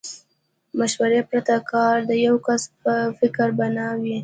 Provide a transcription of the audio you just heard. مشورې پرته کار د يوه کس په فکر بنا وي.